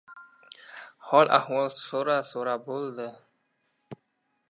Hol-ahvol so‘ra-so‘ra bo‘ldi.